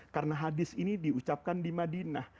karena hadis ini diucapkan di madinah